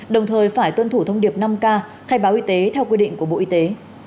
đồng thời phải tuân thủ thông điệp năm k khai báo y tế theo quy định của bộ y tế